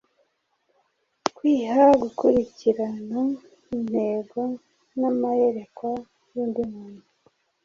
Kwiha gukurikirana intego n’amayerekwa y’undi muntu